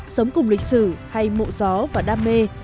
sống cùng lịch sử hay mộ gió và đam mê